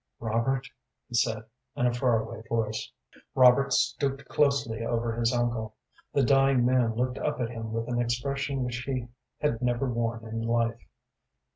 "Robert," he said, in a far away voice. Robert stooped closely over his uncle. The dying man looked up at him with an expression which he had never worn in life.